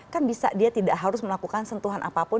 kan bisa dia tidak harus melakukan sentuhan apapun